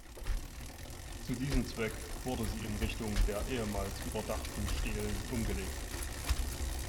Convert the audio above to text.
Zu diesem Zweck wurde sie in Richtung der ehemals überdachten Stelen umgelegt.